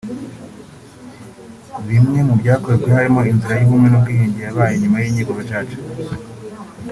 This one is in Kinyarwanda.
Bimwe mu byakozwe harimo inzira y’ubumwe n’ubwiyunge yabaye nyuma y’ Inkiko Gacaca